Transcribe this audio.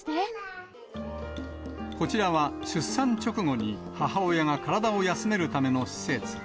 こちらは出産直後に、母親が体を休めるための施設。